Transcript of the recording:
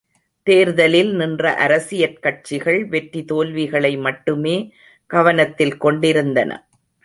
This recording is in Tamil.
தேர்தலில் நின்ற அரசியற் கட்சிகள் வெற்றி தோல்விகளை மட்டுமே கவனத்தில் கொண்டிருந்தன.